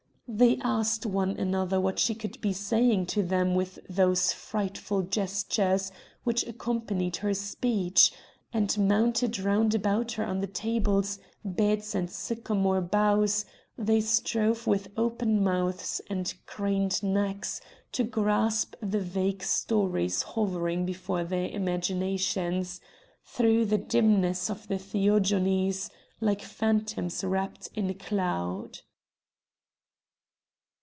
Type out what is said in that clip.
They asked one another what she could be saying to them with those frightful gestures which accompanied her speech, and mounted round about her on the tables, beds, and sycamore boughs, they strove with open mouths and craned necks to grasp the vague stories hovering before their imaginations, through the dimness of the theogonies, like phantoms wrapped in cloud.